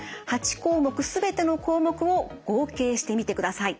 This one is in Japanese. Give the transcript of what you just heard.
８項目全ての項目を合計してみてください。